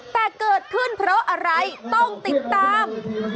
แต่เกิดขึ้นเพราะอะไรต้องติดตาม